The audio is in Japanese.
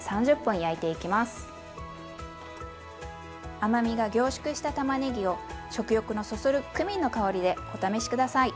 甘みが凝縮したたまねぎを食欲のそそるクミンの香りでお試し下さい！